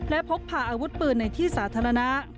และพกพาอาวุธปืนในที่สาธารณะ